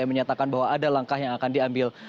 yang menyatakan bahwa ada langkah yang akan diambil